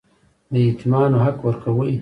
د یتیمانو حق ورکوئ؟